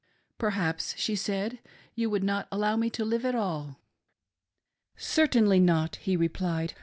." Perhaps," she said, " you would not allow me to live at all.?" " Certainly not," he replied.